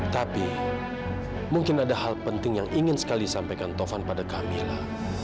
tapi mungkin ada hal penting yang ingin sekali disampaikan taufan pada kamila